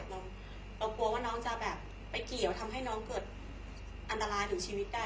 เรากลัวว่าน้องจะแบบไปเกี่ยวทำให้น้องเกิดอันตรายถึงชีวิตได้